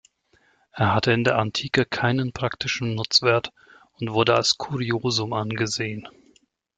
Er hatte in der Antike keinen praktischen Nutzwert und wurde als Kuriosum angesehen.